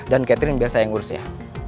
dan catherine biasa yang ngurus ya